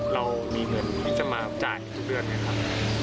เรามีเงินที่จะมาจ่ายทุกเดือนไหมครับ